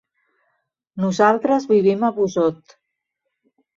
Nosaltres vivim a Busot.